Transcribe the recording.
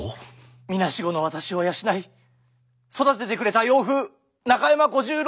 みなしごの私を養い育ててくれた養父中山小十郎